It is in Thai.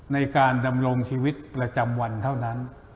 ในการดำรงชีวิตประจำวันเท่านั้น